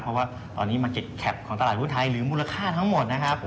เพราะว่าตอนนี้มา๗แคปของตลาดหุ้นไทยหรือมูลค่าทั้งหมดนะครับผม